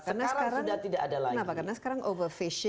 karena sekarang sudah tidak ada lagi